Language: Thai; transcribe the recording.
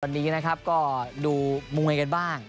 วันนี้นะครับก็ดูมวยกันบ้าง